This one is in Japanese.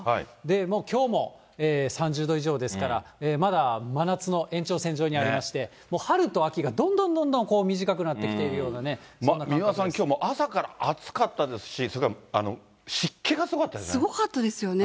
もうきょうも、３０度以上ですから、まだ真夏の延長線上にありまして、春と秋がどんどんどんどん短くなってきてるようなね、そんな感じ三輪さん、きょうも朝から暑かったですし、すごかったですよね。